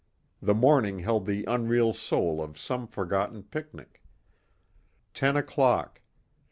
The morning held the unreal soul of some forgotten picnic. Ten o'clock.